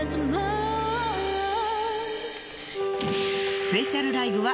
スペシャルライブは